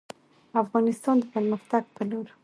افغانستان د پرمختګ په لور